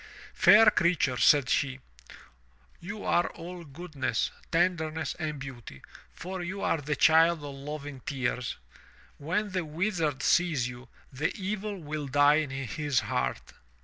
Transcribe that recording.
"Fair creature," said she, ''you are all goodness, tenderness and beauty, for you are the child of loving tears. When the Wizard sees you, the evil will die in his heart."